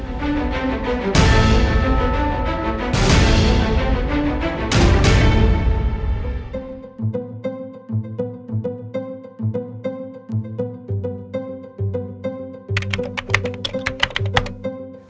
เพราะกิจ